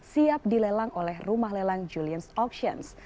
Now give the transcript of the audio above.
siap dilelang oleh rumah lelang julian's auctions